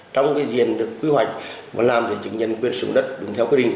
trong cái diện được quy hoạch và làm gì chứng nhân quyền sử dụng đất đúng theo quy định